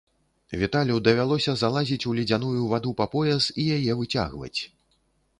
Віталю давялося залазіць у ледзяную ваду па пояс і яе выцягваць.